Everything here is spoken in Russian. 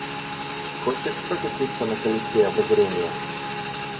Хочешь прокатиться на колесе обозрения?